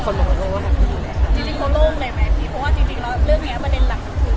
เพราะว่าจริงเรื่องยังไงประเด็นหลัก